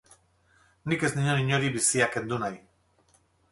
Nik ez nion inori bizia kendu nahi.